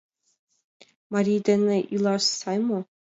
Марий дене илаш сай мо?